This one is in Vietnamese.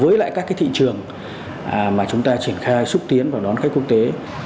với lại các cái thị trường mà chúng ta triển khai xúc tiến và đón khách quốc tế